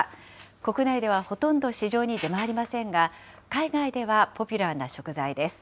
国内ではほとんど市場に出回りませんが、海外ではポピュラーな食材です。